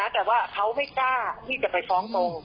แต่ว่าเขาไม่กล้าที่จะไปฟ้องตรง